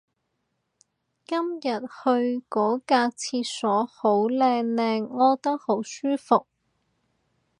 今日去開嗰格廁所好靚靚屙得好舒服